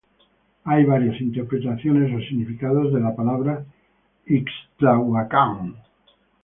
Hay varias interpretaciones o significados de la palabra Ixtlahuacán.